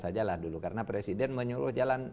sajalah dulu karena presiden menyuruh jalan